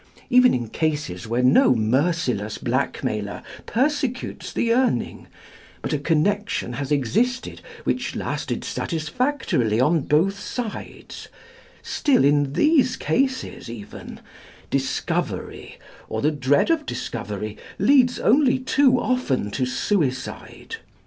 Even in cases where no merciless blackmailer persecutes the Urning, but a connection has existed which lasted satisfactorily on both sides, still in these cases even discovery, or the dread of discovery, leads only too often to suicide.